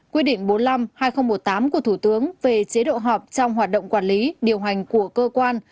quy định bốn mươi năm hai nghìn một mươi tám của thủ tướng về chế độ họp trong hoạt động quản lý điều hành của cơ quan